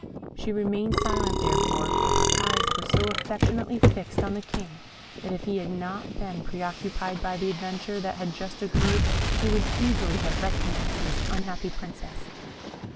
She remained silent, therefore, but her eyes were so affectionately fixed on the King, that if he had not been pre occupied by the adventure that had just occurred, he would easily have recognised his unhappy Princess.